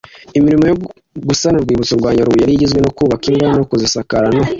imirimo yo gusana urwibutso rwa nyarubuye yari igizwe no kubaka imva, kuzisakara no